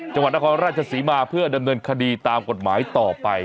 จังหวัดนครราชศรีมาเพื่อดำเนินคดีตามกฎหมายต่อไป